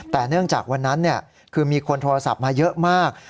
แต่เนื่องจากวันนั้นคือมีคนโทรศัพท์มาเยอะมาก